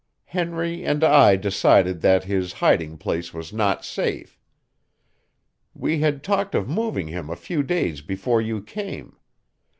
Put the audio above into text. Henry and I decided that his hiding place was not safe. We had talked of moving him a few days before you came.